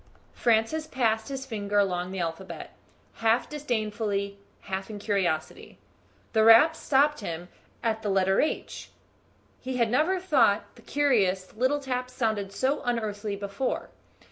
Francis passed his finger along the alphabet, half disdainfully, half in curiosity. The rap stopped him at the letter H. He had never thought the curious little taps sounded so unearthly before.